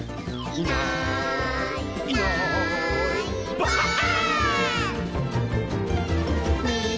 「いないいないばあっ！」